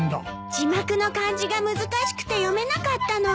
字幕の漢字が難しくて読めなかったの。